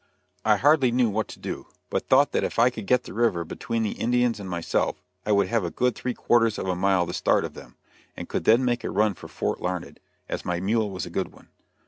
I hardly knew what to do, but thought that if I could get the river between the Indians and myself I would have a good three quarters of a mile the start of them, and could then make a run for Fort Larned, as my mule was a good one.